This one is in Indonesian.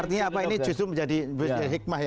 artinya apa ini justru menjadi hikmah ya